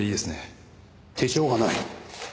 手帳がない。